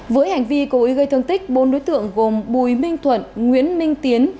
với hành vi cố ý gây thương tích bốn đối tượng gồm bùi minh thuận nguyễn minh tiến